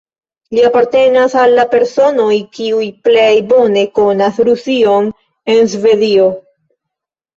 Li apartenas al la personoj, kiuj plej bone konas Rusion en Svedio.